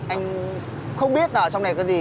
anh không biết là ở trong này có gì